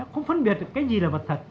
không phân biệt cái gì là vật thật